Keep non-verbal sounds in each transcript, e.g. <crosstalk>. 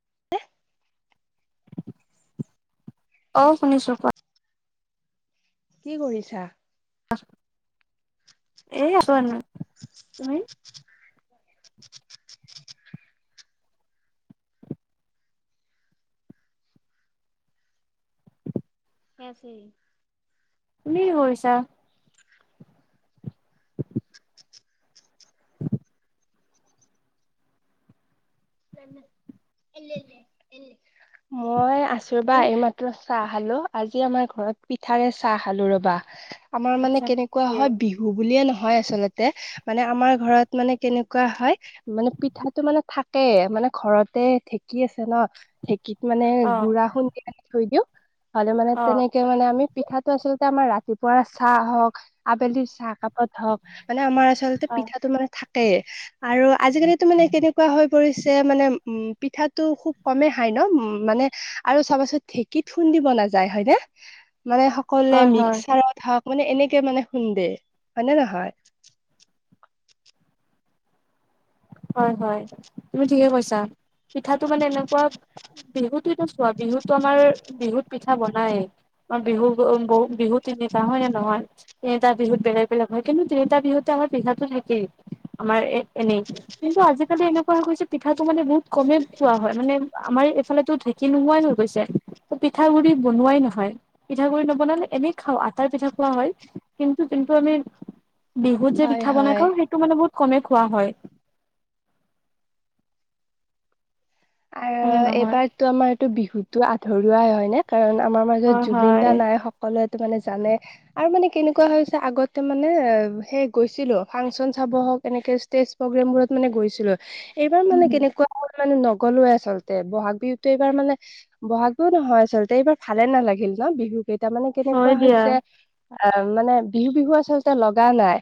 <unintelligible> অ', শুনিছোঁ কোৱা। কি কৰিছা? এ আছোঁ এনে তুমি? এছে <unintelligible> তুমি কৰিছা। <inaudible> মই আছোঁ ৰবা এই মাত চাহ খালোঁ আজি আমাৰ ঘৰত পিঠাৰে চাহ খালো ৰবা। আমাৰ মানে আচ্ছা কেনেকুৱা হয় বিহু বুলিয়ে নহয় আচলতে মানে আমাৰ ঘৰত মানে কেনেকুৱা হয় মানে পিঠাটো মানে থা তাকেই মানে ঘৰতে ঢেঁকী আছে ন ঢেঁকীত মানে অ গুড়া খুন্দি থুই দিওঁ হলে মানে অ তেনেকে মানে আমি পিঠাটো আচলতে আমাৰ ৰাতিপুৱা চাহ হওঁক আবেলি চাহ কাপত হওঁক মানে আমাৰ আচলতে অ পিঠাটো মানে থাকেই আৰু আজিকালিতো মানে কেনেকুৱা হয় কৰিছে মানে উ পিঠাটো খুব কমে খাই ন উ মানে আৰু চবা চোন ঢেঁকীত খুন্দিব নাযায় হয় ন মানে কলে হয় হয় মিক্সাৰত হওঁক মানে এনেকে মানে শুন্দে হয় নে নহয়। হয়, হয় তুমি ঠিকে কৈছা পিঠাটো মানে এনেকুৱা বিহুতোটো চোৱা বিহুতো আমাৰ বিহুত পিঠা বনায়। অ', বিহু বিহু তিনিটা হয় নে নহয়। তিনিটা বিহুত বেলেগ বেলেগ হয় কিন্তু তিনিটা বিহুতে আমাৰ পিঠাতো থাকেই আমাৰ এ এনেই কিন্তু আজিকালি এনেকুৱা হৈ গৈছে পিঠাটো মানে বহুত কম খোৱা হয় মানে আমাৰ এইফালেটো ঢে কি নোৱাই হৈ গৈছে পিঠা গুৰি বনোৱাই নহয়। পিঠা গুড়ি নবনালে এনেই খাওঁ আটাৰ পিঠা খোৱা হয় কিন্তু যোনটো আমি বিহুত যে হয় পিঠা বনাই হয় খাওঁ সেইটো মানে বহুত কমেই খোৱা হয়। আৰু হয়নে নহয় এইবাৰতো আমাৰতটো বিহুতো আধৰুৱাই হয় নে। কাৰণ আমাৰ হয় মাজত জুবিন হয় দা নাই সকলোৱো মানে জানে আৰু মানে কেনেকুৱা হৈছে আগতে মানে সেই গৈছিলো ফাংচন চাব হওঁক এনেকে ষ্টেজ প্ৰগ্ৰেম বোৰত মানে গৈছিলোঁ এইবাৰ উম মানে কেনেকুৱা মানে গ'লোৱে আচলতে ব'হাগ বিহুত এইবাৰ মানে ব'হাগ বিহু নহয়, আচলতে এইবাৰ ভালে নালাগিল ন বিহু তাৰ মানে কেনেকুৱা হয় দিয়া হৈছে আহ মানে বিহু, বিহু আচলতে লগা নাই।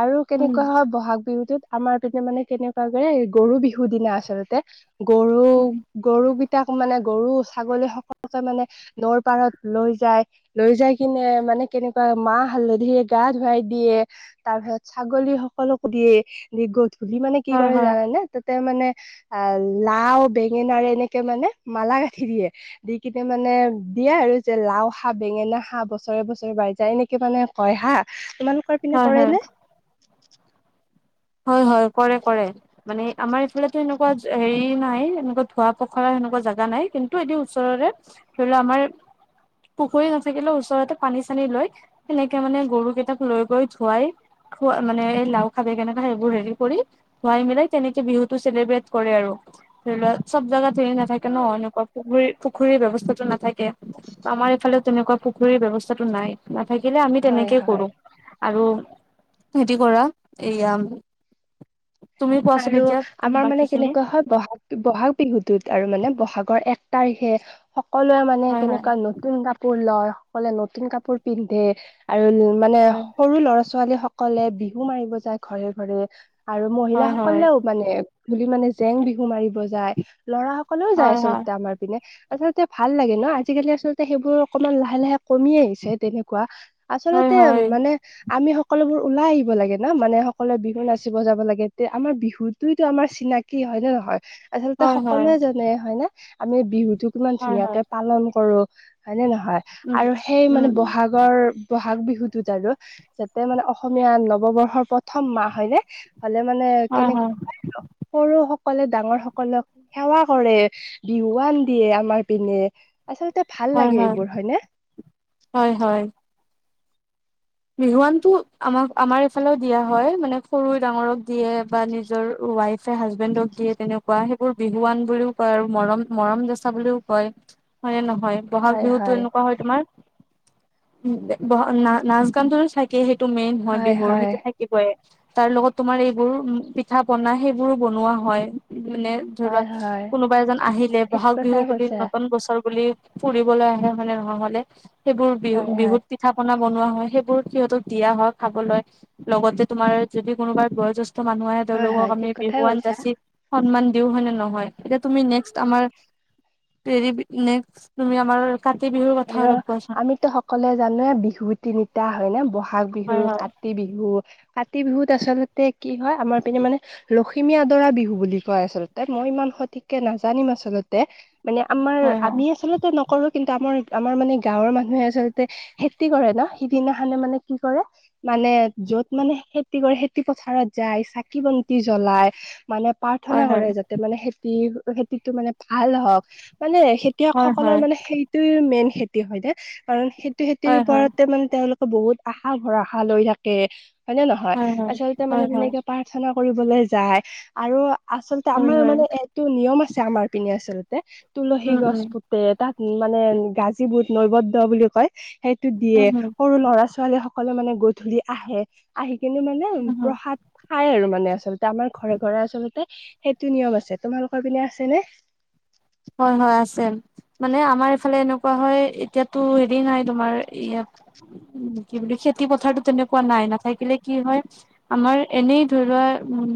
আৰু উম কেনেকুৱা হয় বহাগ বিহুটোত আমাৰ পিনে মানে কেনেকুৱাযে গৰু বিহুৰ দিনা আচলতে গৰু উম গৰুগিতাক মানে গৰু ছাগলী সকলকে মানে নৌৰ পাৰত লৈ যায়। লৈ যাই কিনে মানে কেনেকুৱা মাহ হালধিৰে গা ধুৱাই দিয়ে। তাৰপিছত ছাগলী সকলকো দিয়ে। ধি মানে কি হয় কৰে হয় জানে নে তাতে মানে আহ লাও বেঙেনাৰ এনেকে মানে মালা গাঠি দিয়ে। দি কিনে মানে দিয়ে আৰু যে লাও খা বেঙেনা খা বছৰে, বছৰে বাঢ়ি যায় এনেকে মানে কয় হা। তোমালোকৰ পিনে হয় হয় কৰেনে? হয়, হয় কৰে, কৰে। মানে আমাৰ ইফালে এনেকুৱা হেৰি নাই এনেকুৱা ধোৱা পখৰা সেনেকুৱা জাগা নাই কিন্তু এ ওচৰৰে ধৰি লও আমাৰ পুখুৰী নাথাকিলেও ওচৰতে পানী চানী লৈ সেনেকে মানে গৰু কেইটাক লৈ গৈ ধুৱাই মানে লাউ খা বেঙেনা খা সেইবোৰ হেৰি কৰি, খুৱাই মেলাই তেনেকে বিহুতটো চেলিব্ৰেট কৰে আৰু ধৰি লোৱা, চব জাগাত হেৰি নাথাকে ন, এনেকুৱা পুখুৰী পুখুৰীৰ ব্যৱস্থাটো নাথাকে, আমাৰ এইফালে তেনেকুৱা পুখ পুখুৰীৰ ব্যৱস্থাটো নাই, নাথাকিলে আমি হয় তেনেকেই হয় কৰোঁ। আৰু খেতি কৰা এয়া আৰু আমাৰ বাকী মানে খিনি কেনেকুৱা হয় বহাগ বহাগ বিহুতোত আৰু মানে, বহাগৰ এক তাৰিখে সকলোৱে মানে হয় হয় কেনেকুৱা নতুন কাপোৰ কাপোৰ লয়। সকলোৱে নতুন কাপোৰ পিন্ধে, আৰু মানে হয় সৰু ল'ৰা ছোৱালী সকলে বিহু মাৰিব যায় ঘৰে ঘৰে আৰু মহিলা হয় স হয় মানে ধুলি মানে জেং বিহু মাৰিব যায়, লৰা সকলেও যায় হয় হয় আচলতে আমাৰ পিনে। আচলতে ভাল লাগে ন, আজিকালি আচলতে সেইবোৰ অকমান লাহে লাহে কমি আহিছে তেনেকুৱা হয় আচলতে হয় মানে, আমি সকলোবোৰ ওলাই আহিব লাগে ন মানে, সকলোৱে বিহু নাচিব যাব লাগে। তে আমাৰ বিহুততো আমাৰ চিনাকি হয় নে নহয়, আচলতে হয় হয় সকলোৱে জানে হয় নে। আমি বিহুতটো কিমান হয় হয় ধুনীয়াকে পালন কৰো, হয়নেে নহয় উম আৰু সেই উম মানে উম বহাগ ৰ বহাগ বিহুতোত আৰু যাতে মানে অসমীয়া নৱবৰ্ষৰ প্ৰথম মাহ হয়নে হ'লে মানে হয় হয় কেনেকুৱা সৰু সকলে ডাঙৰ সকলক সেৱা কৰে। বিহুৱান দিয়ে আমাৰ পিনে। আচলতে ভাল লাগে এইবোৰ হয় নে? হয় হয়। বিহুৱানতটো আমাক আমাৰ ইফালেও দিয়া হয় মানে, সৰু ডাঙৰক দিয়ে বা নিজৰ ৱাইফ ফে হাজবেণ্ডক দিয়ে তেনেকুৱা, সেইবোৰ বিহুৱান বুলিও কয় আৰু মৰম মৰম জচা বুলিও কয়। হয় নে নহয়? বহাগ বিহুতো এনেকুৱা হয় তোমাৰ উ ব না নাচ গান তো চাই সেইটো মেইন হয় বিহুৰ, সেইটো থাকে। কি কয় তাৰ লগত তোমাৰ এইবোৰ পিঠা পনা সেইবোৰো বনোৱা হয়। মানে ধৰি লোৱা হয় হয় কোনোবা এজন আহিলে ঠিক ব'হাগ কথা বিহু বুলি কৈছা নতুন বছৰ বুলি ফুৰিবলৈ আহে হয়নে <unintelligible> নহলে সেইবোৰ বিহু হয় হয় বিহুত পিঠা পনা বনোৱা হয় সেইব বোৰ সিহঁতক দিয়া হয় খাবলৈ, লগতে তোমাৰ যদি কোনোবা বয়োজেষ্ঠ মানুহ আহে। হয় হয় তেওঁলোকক আমি ঠিক কথাই বিহুৱান কৈছা যাচি সন্মান দিও হয় নে নহয়, এতিয়া তুমি নেক্সট আমাৰ <unintelligible> নেক্সট তুমি আমাৰ কাতি বিহুৰ কথা অলপ কোৱাচোন। অকলে জানো এ বিহু তিনিটা হয় নে, ব'হাগ বিহু, হয় হয় কাতি বিহু বিহু কাতি বিহুত আচলতে কি হয়, আমাৰ পিনে মানে লখিমী আদৰা বিহু বুলি কয় আচলতে, মই ইমান সঠিককে নাজানিম আচলতে মানে আমাৰ হয় হয় আমি আচলতে নকৰোঁ, কিন্তু আমাৰ আমাৰ মানে গাঁৱৰ মানুহে আচলতে খেতি কৰে না, সিদিনাখনে মানে কি কৰে মানে যত মানে খেতি কৰে, খেতি পথাৰত যায়, চাকি বন্তি জ্বলাই মানে প্ৰাৰ্থনা হয় হয় কৰে যাতে মানে খেতি, খেতিতটো মানে ভাল হওঁক মানে খতিয়ক হয় সকলৰ হয় মানে সেইটো মেইন খেতি হয় নে, কাৰণ সেইটো খেতিৰ হয় হয় ওপৰতে মানে তেওঁ বহুত আশা ভৰাষা লৈ থাকে। হয় নে নহয়, হয় আচলতে হয় মানে হয় তেনেকে- প্ৰাৰ্থনা কৰিবলৈ যায় আৰু আচলতে হয় আমাৰ হয় মানে- এইটো নিয়ম আছে আমাৰ পিনে আচলতে, তুলসী উম গছ উম পুতে তাত মানে- <unintelligible> বহুত নৈবদ্ বুলি কয় সেইটো দিয়ে, উম হম সৰু ল'ৰা-ছোৱালীয়ে স কলে মানে গধূলি আহে, আহি কিনে মানে উম হম প্ৰসাদ- খাই আৰু মানে আচলতে আমাৰ ঘৰে ঘৰে আচলতে সেইটো নিয়ম আছে। তোমালোকৰ পিনে আছে নে? হয় হয় আছে। মানে আমাৰ এইফালে এনেকুৱা হয়, এতিয়াতো হেৰি নাই তোমাৰ ইয়াত- কি বুলি খেতি পথাৰতো তেনেকুৱা নাই, নাথাকিলে কি হয়- আমাৰ এনেই ধৰি লোৱা উমঁ,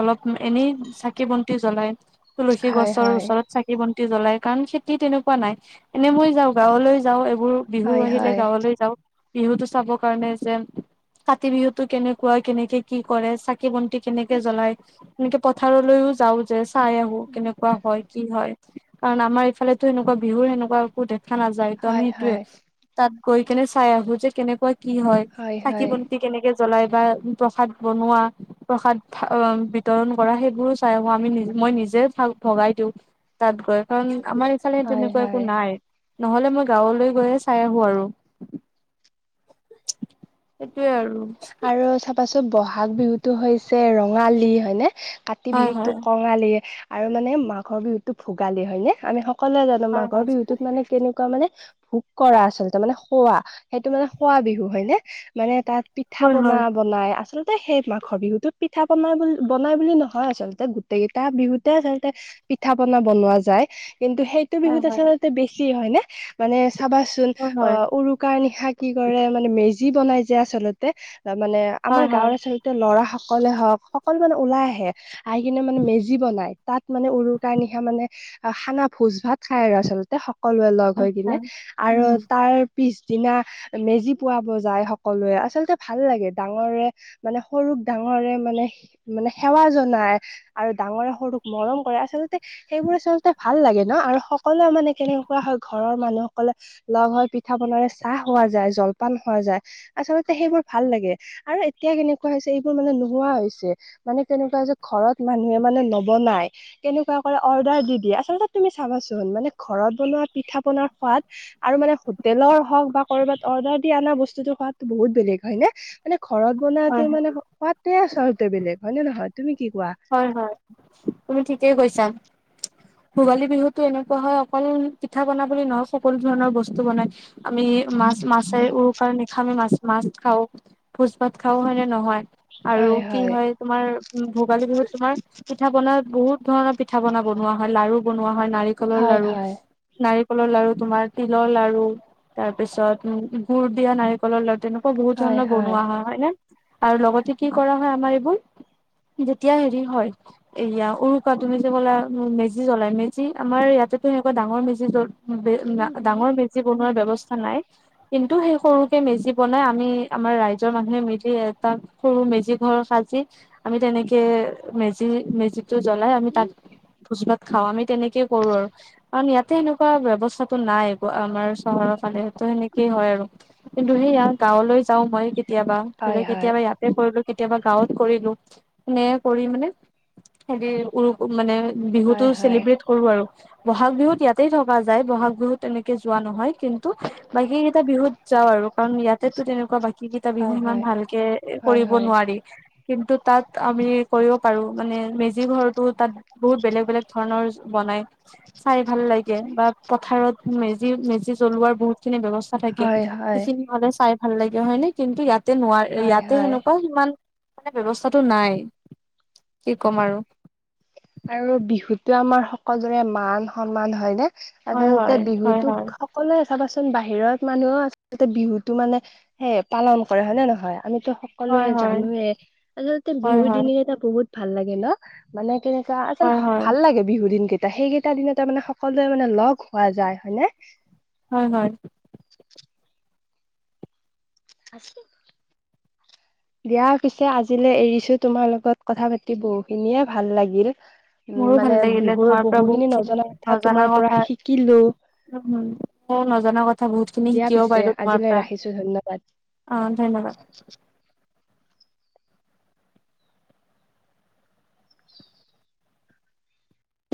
অলপ এনেই চাকি বন্তি জ্বলাই। তুলসী হয় গছৰ হয় ওচৰত- চাকি বন্তি জ্বলাই কাৰণ খেতি তেনেকুৱা নাই, এনেই মই যাওঁ গাঁৱলৈ যাওঁ এইবোৰ- বিহু হয় আহিলে হয় গাঁৱলৈ যাওঁ। বিহুতটো চাবৰ কাৰণে যে কাতি বিহুতটো কেনেকুৱা কেনেকে কি কৰে। চাকি বন্তি কেনেকে জ্বলাই তেনেকে পথাৰলৈও যাও যে চাই আহো কেনেকুৱা হয়। কি হয়। কাৰণ আমাৰ ইফালেটো সেনেকুৱা বিহুৰ সেনেকুৱা একো দেখা নাযায় ত হয় আমি সেইটোয়ে, হয় তাত গৈ কেনে চাই আহো যে, কেনেকুৱা কি হয় থাকিব কেনেকে জ্বলাই বা প্ৰসাদ বনোৱা, প্ৰসাদ বিতৰণ কৰা সেইবোৰো চাই আমি নি মই নিজে ভগাই দিওঁ। তাত গৈ কাৰণ আমাৰ ইফালে তেনেকুৱা একো হয় নাই। নহলে মই গাঁৱলে গৈয়ে চাই আহো আৰু। সেইটোয়ে আৰু। আৰু চাবাছো বহাগ বিহুতো হৈছে ৰঙালী, হয়নে কাতি হয় বিহুতটো হয় কংৱালি। ঙালি আৰু মানে মাঘৰ বিহুতো ভোগালী হয় নে। আমি সকলোৱে জানো হয় মাঘৰ হয় বিহুত মানে কেনেকুৱা মানে ভোগ কৰা আচলতে মানে খুৱা সেইটো মানে খুৱা বিহু হয়নে মানে তাত পিঠা হয় পনা হয় বনাই আচলতে। সেই মাঘৰ বিহুতত পিঠা বনাই-বনাই বুলি নহয় আচলতে গোটকেইটা বিহুতে আচলতে পিঠা পনা বনোৱা যায় কিন্তু সেই স হয় বিহুত হয় আচল্ততে বেছি হয় নে মানে চাবাচোন হয় অ হয় উৰুকাৰ নিশাক কি কৰে মানে মেজি বনাই যে আচলতে বা মানে আমাৰ হয় হয় গাঁৱৰ আচলতে এ লৰা সকলে হওক সকলো মানে ওলাই আহে আহি কিনে মানে মেজি বনাই। তাত মানে উৰু কাৰ নিশা মানে খানা ভোজ ভাত খাই আৰু আচলতে। সকলোৱে লগহৈ আচ্ছা কিনে আৰু উম তাৰ, পিছদিনা মেজি পোৱাব যায় সকলোৱে আচলতে। ভাল লাগে ডাঙৰে মানে সৰুক ডাঙৰে মানে মানে-সেৱা জনাই। আৰু ডাঙৰে সৰুক মৰম কৰে আচলতে। সেইবোৰ আচলতে ভাল লাগে ন আৰু সকলোৱে মানে কেনেকুৱা হয় ঘৰৰ মানুহসকলে, লগ হৈ পিঠা বনাব চাহ খোৱা যায়, জলপান খোৱা যায় আচলতে সেইবোৰ ভাল লাগে। আৰু এতিয়া কেনেকুৱা হৈছে এইবোৰ মানে নোহোৱা হৈছে। মানে কেনেকুৱা যে ঘৰত মানুহে মানে নবনায়। কেনেকুৱা কৰে অৰ্ডাৰ দি দিয়ে আচলতে তুমি চাবাচোন মানে ঘৰত বনোৱা পিঠা পনাৰ সোৱাদ, আৰু মানে হোটেলৰ হওক বা ক'ৰবাত অৰ্ডাৰ দি অনা বস্তুতো খোৱাতো বহুত বেলেগ। হয় ন মানে ঘৰত হয় বনাতটো হয় মানে সোৱাদটোৱে আচলতে বেলেগ হয় নে নহয় তুমি কি কোৱা? হয়-হয় তুমি ঠিকেই কৈছা। ভোগালী বিহুতো এনেকুৱা হয় অকল পিঠা বনাব বুলি নহয় সকলো ধৰণৰ বস্তু বনাই। আমি মাছ মাছে উৰু নিশা, খামি মাছ মাছ খাও ভোজ ভাত খাও হয়নে নহয় আৰু কি হয় তোমাৰ উ ভোগালী বিহুত তুমাৰ পিঠা বনাত বহুত ধৰণৰ পিঠা পনা বনোৱা হয় লাৰু। বনোৱা হয় নাৰিকলৰ হয় লাৰু। হয় নাৰিকলৰ লাৰু তোমাৰ তিলৰ লাৰু তাৰ পিছত উ গুডুৰ দিয়া নাৰিক তেনেকুৱা বহুত ধৰণৰ বনোৱা হয় ন আৰু লগতে কি কৰা হয় আমাৰ এইবোৰ, যেতিয়া হেৰি হয় এয়া উৰুকা তুমি যে বোলা মেজি জ্বলাই মেজি, যি আমাৰ ইয়াতেতো তেনেকুৱা ডাঙৰ মেজি ডাঙৰ মেজি বনোৱাৰ ব্যয়ৱস্থা নাই। কিন্তু সেই সৰুকে মেজি বনাই আমি আমাৰ ৰাইজৰ মানুহে মেজি এটা। সৰু মেজি ঘৰ সাজি আমি তেনেকে মেজি মেজিটো জ্বলাই আমি তাত ভোজ ভাত খাওঁ আমি তেনেকে কৰো আৰু কাৰণ ইয়াতে এনেকুৱা ব্যৱস্থাটো নাই। আমাৰ চহৰৰ ফালেতো সেনেকেই হয় আৰু কিন্তু সেইয়া গাঁৱলৈ যাও মই, কেতিয়াবা ধৰি ল হয় কেতিয়াবা ইয়াতে কৰিলো কেতিয়াবা গাঁৱত কৰিলো। এনে কৰি মানে সে উৰু মানে বিহুতটো হয় হয় চেলিব্ৰেট কৰো আৰু বহাগ বিহুত ইয়াতেই থকা যায়, ব'হাগ বিহুত তেনেকে যোৱা নহয়। কিন্তু বাকী কেইটা বিহুত যাওঁ আৰু কাৰণ ইয়াতেতো তেনেকুৱা বাকী কেইটা ক বিহু হয় ইমান হয় ভালকে হয় হয় কৰিব নোৱাৰি কিন্তু তাত আমি কৰিব পাৰোঁ। মানে মেজি ঘৰটো তাত বহুত বেলেগ বেলেগ ধৰণৰ বনায়। চাই ভাল লাগে। বা পথাৰত মেজি মেজি জ্বলোৱাৰ বহুত খিনি ব্যৱচ থাকে। হয় হয় সেইখিনি হ'লে চাই ভাল লাগে হয়নে। কিন্তু ইয়াতে নোৱাৰ হয় ইয়াতে হয় সেনেকুৱা সিমান মানে ব্যৱস্থাটো নাই। কি ক'ম আৰু। আৰু বিহুতো আমাৰ সকলোৰে মান-সন্মান হয় নে। হয় আচলতে হয় হয় বিহুতো হয় অকলে চাবাচোন বাহিৰত মানুহেও আচলতে বিহুটো মানে হে পালন কৰে হয় নে নহয়। আমিতো হয় সকলোৱে হয় জানোৱে। আচলতে হয় বিহুৰ হয় দিনকেইটা বহুত ভাল লাগে ন। মানে কেনে আচল হয় হয় ভাল লাগে বিহু দিনকেইটা। সেইকেইটা দিনতে মানে সকলোৱে মানে লগ হোৱা যায়, হয় নে? হয় হয়। আছে। দিয়া পিছে আজিলে এৰিছো। তোমাৰ লগত কথা পাতি বহুখিনিয়ে ভাল লাগিল। উম, মোৰো ভাল মানে লাগিলে বিহুৰ তোমাৰ পৰা বহুত বহুখিনি খিনি নজনা কথা নজনা তোমাৰ কথা পৰা শিকিলো। উম, ময়ো নজনা কথা বহুতখিনি দিয়া শিকিব পিছে পাৰিলোঁ তোমাৰ আজিলৈ পা। ৰাখিছো ধন্যবাদ। অ', ধন্যবাদ।